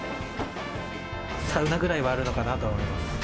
サウナぐらいはあるのかなと思います。